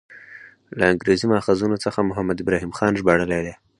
له انګریزي ماخذونو څخه محمد ابراهیم خان ژباړلی دی.